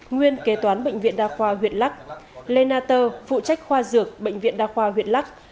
nguyên kế toán bệnh viện đa khoa huyện lắc lê na tơ phụ trách khoa dược bệnh viện đa khoa huyện lắc